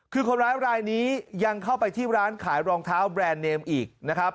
คือคนร้ายรายนี้ยังเข้าไปที่ร้านขายรองเท้าแบรนด์เนมอีกนะครับ